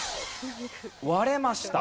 割れました。